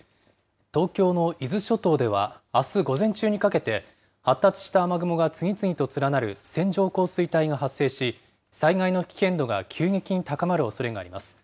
東京の伊豆諸島ではあす午前中にかけて、発達した雨雲が次々と連なる線状降水帯が発生し、災害の危険度が急激に高まるおそれがあります。